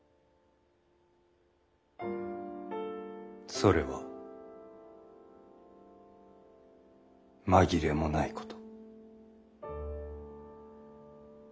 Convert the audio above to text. それは紛れもないこと。